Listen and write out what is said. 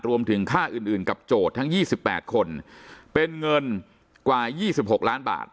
รวมถึงค่าอื่นกับโจทย์ทั้ง๒๘คนเป็นเงินกว่า๒๖ล้านบาท